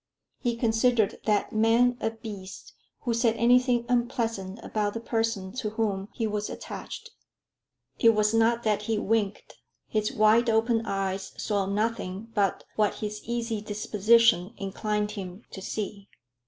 He considered that man a beast who said anything unpleasant about the persons to whom he was attached. It was not that he winked; his wide open eyes saw nothing but what his easy disposition inclined him to see.